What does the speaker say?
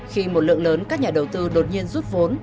khi một lượng lớn các nhà đầu tư đột nhiên rút vốn